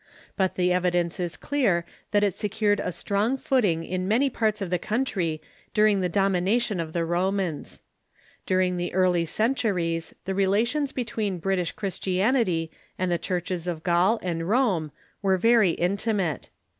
But the evidence i„rf»„nnH»nn» 1^ clcur that it secured a strong footing: in many Indepenaence » o j of the British parts of the country during the domination of the ""^"^ Romans. During the early centuries the relations between British Christianity and the churches of Gaul and Rome were very intimate.